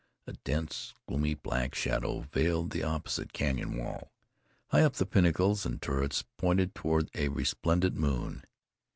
A dense, gloomy black shadow veiled the opposite canyon wall. High up the pinnacles and turrets pointed toward a resplendent moon.